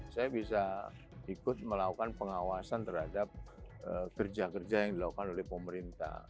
saya bisa ikut melakukan pengawasan terhadap kerja kerja yang dilakukan oleh pemerintah